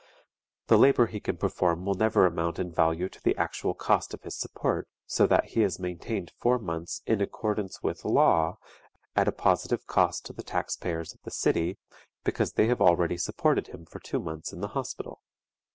The labor he can perform will never amount in value to the actual cost of his support, so that he is maintained four months in accordance with law at a positive cost to the tax payers of the city, because they have already supported him for two months in the Hospital.